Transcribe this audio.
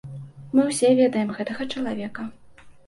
Мы ўсе ведаем гэтага чалавека.